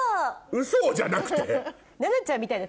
ウソ！じゃなくて。